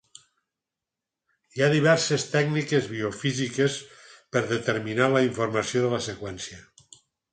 Hi ha diverses tècniques biofísiques per determinar la informació de la seqüència.